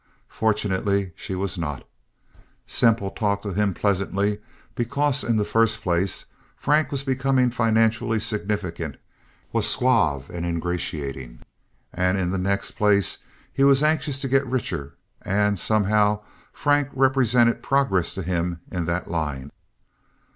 Fortunately she was not. Semple talked to him pleasantly, because in the first place Frank was becoming financially significant, was suave and ingratiating, and in the next place he was anxious to get richer and somehow Frank represented progress to him in that line.